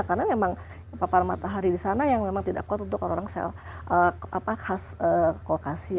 karena memang papal matahari di sana yang memang tidak kuat untuk orang sel khas kokasia